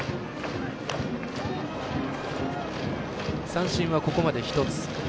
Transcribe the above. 三振はここまで１つ。